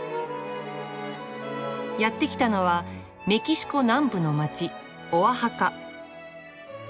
やって来たのはメキシコ南部の街オアハカ。